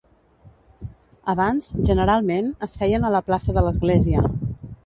Abans, generalment, es feien a la plaça de l'església.